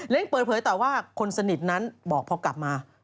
เปิดเผยต่อว่าคนสนิทนั้นบอกพอกลับมา